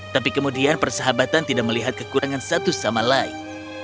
tapi kemudian persahabatan tidak melihat kekurangan satu sama lain